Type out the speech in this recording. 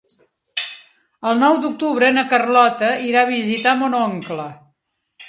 El nou d'octubre na Carlota irà a visitar mon oncle.